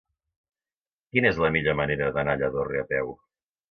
Quina és la millor manera d'anar a Lladorre a peu?